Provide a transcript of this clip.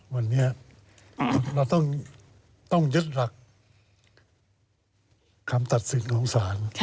วันนี้เราต้องยึดหลักคำตัดสินของศาล